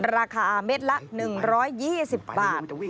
ราคาเม็ดละ๑๒๐บาท